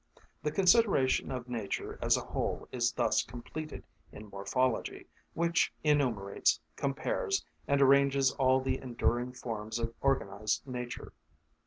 The consideration of nature as a whole is thus completed in morphology, which enumerates, compares, and arranges all the enduring forms of organised nature.